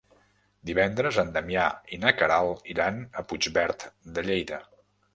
Divendres en Damià i na Queralt iran a Puigverd de Lleida.